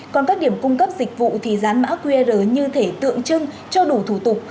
còn các điểm cung cấp dịch vụ thì dán mã qr như thể tượng trưng cho đủ thủ tục